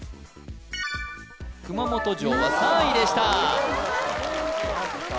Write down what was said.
熊本城は３位でしたああ